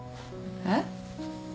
えっ？